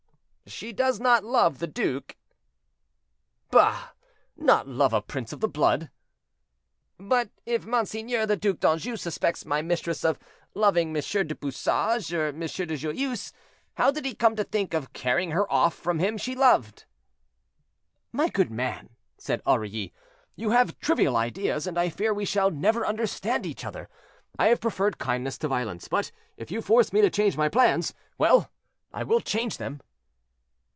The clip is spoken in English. "She does not love the duke." "Bah! not love a prince of the blood." "But if Monseigneur the Duc d'Anjou suspects my mistress of loving M. du Bouchage, or M. de Joyeuse, how did he come to think of carrying her off from him she loved?" "My good man," said Aurilly, "you have trivial ideas, and I fear we shall never understand each other; I have preferred kindness to violence, but if you force me to change my plans, well! I will change them."